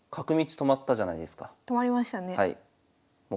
止まりましたね。